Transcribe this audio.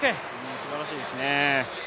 すばらしいですね。